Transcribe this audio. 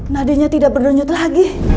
nadinya tidak berdenyut lagi